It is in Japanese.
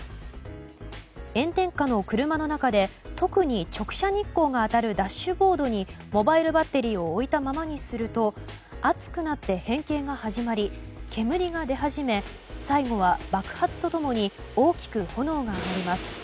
炎天下の車の中で特に直射日光が当たるダッシュボードにモバイルバッテリーを置いたままにすると熱くなって変形が始まり煙が出始め最後は爆発と共に大きく炎が上がります。